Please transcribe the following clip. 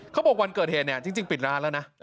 เขาบอกวันเกิดเหตุจริงปิดร้านแล้วนะ